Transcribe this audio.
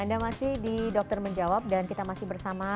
anda masih di dokter menjawab dan kita masih bersama